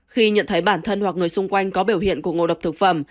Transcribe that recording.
khi nhận thấy bản thân hoặc người xung quanh có biểu hiện của ngộ độc thực phẩm